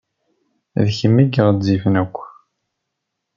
D kemm ay ɣezzifen akk.